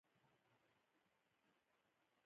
هېواد د افتخاراتو ځای دی